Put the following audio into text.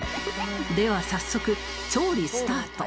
では早速調理スタート